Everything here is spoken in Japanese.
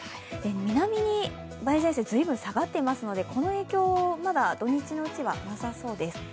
南に梅雨前線、ずいぶん下がってますので、この影響は土日のうちはなさそうです。